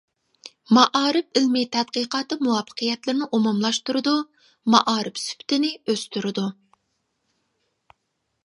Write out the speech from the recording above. مائارىپ ئىلمى تەتقىقاتى مۇۋەپپەقىيەتلىرىنى ئومۇملاشتۇرىدۇ، مائارىپ سۈپىتىنى ئۆستۈرىدۇ.